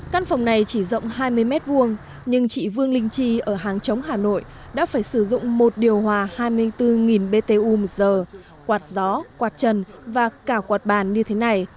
căn phòng này chỉ rộng hai mươi m hai nhưng chị vương linh chi ở hàng chống hà nội đã phải sử dụng một điều hòa hai mươi bốn btu một giờ quạt gió quạt trần và cả quạt bàn như thế này